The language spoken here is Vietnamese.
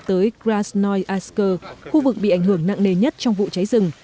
tới krasnoyarsk khu vực bị ảnh hưởng nặng nề nhất trong vụ cháy rừng